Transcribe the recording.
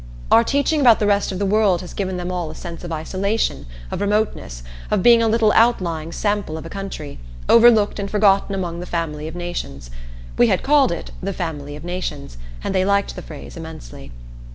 Our teaching about the rest of the world has given them all a sense of isolation, of remoteness, of being a little outlying sample of a country, overlooked and forgotten among the family of nations. We had called it "the family of nations," and they liked the phrase immensely.